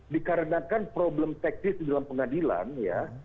dikarenakan problem teknis di dalam pengadilan ya